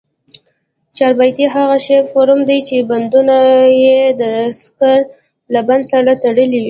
چاربیتې هغه شعري فورم دي، چي بندونه ئې دکسر له بند سره تړلي وي.